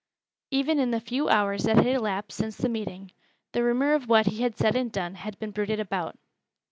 Even in the few hours that had elapsed since the meeting, the rumor of what he had said and done had been bruited about.